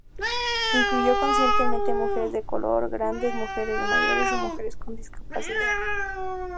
Incluyó conscientemente mujeres de color, mujeres grandes, mujeres mayores y mujeres con discapacidad.